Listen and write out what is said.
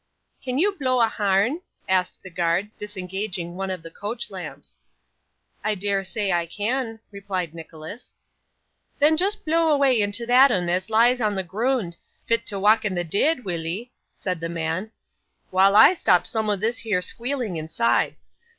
'Can you blo' a harn?' asked the guard, disengaging one of the coach lamps. 'I dare say I can,' replied Nicholas. 'Then just blo' away into that 'un as lies on the grund, fit to wakken the deead, will'ee,' said the man, 'while I stop sum o' this here squealing inside.